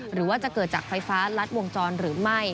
หรือว่าจะเกิดจากไฟฟ้ารัดวงจรหรือไม่